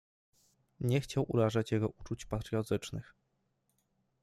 Nie chciał urażać jego uczuć patriotycznych.